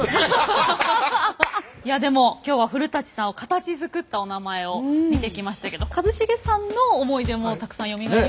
いやでも今日は古さんを形づくったおなまえを見てきましたけど一茂さんの思い出もたくさんよみがえりました？